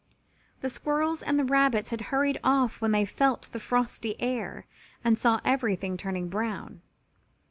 The squirrels and the rabbits had hurried off when they felt the frosty air and saw everything turning brown.